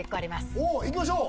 おおいきましょう